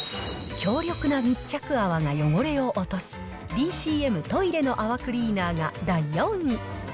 強力な密着泡が汚れを落とす、ＤＣＭトイレの泡クリーナーが第４位。